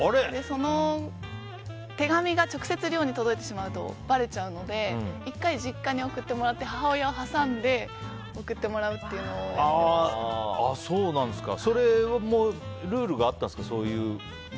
その手紙が直接寮に届いてしまうとばれてしまうので１回、実家に送ってもらって母親を挟んで、送ってもらうそれもルールがあったんですか。